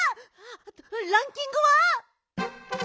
ランキングは？